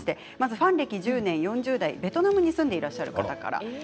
ファン歴１０年４０代、ベトナムに住んでらっしゃる方からです。